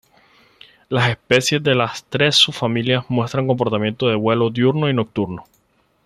Las especies de las tres subfamilias muestran el comportamiento de vuelo diurno y nocturno.